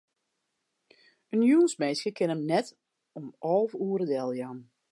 In jûnsminske kin him net om alve oere deljaan.